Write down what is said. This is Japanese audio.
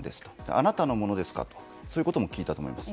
あなたのものですかということも聞いたと思います。